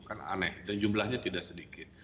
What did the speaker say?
kan aneh dan jumlahnya tidak sedikit